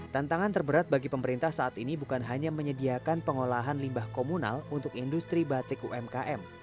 tantangan terberat bagi pemerintah saat ini bukan hanya menyediakan pengolahan limbah komunal untuk industri batik umkm